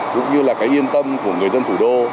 cũng như là cái yên tâm của người dân thủ đô